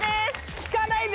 「聞かないで」。